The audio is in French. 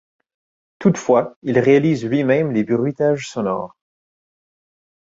Toutefois, il réalise lui-même les bruitages sonores.